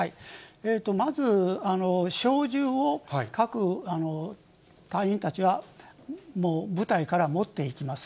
まず、小銃を各隊員たちは部隊から持っていきます。